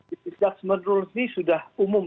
bisa menurutnya sudah umum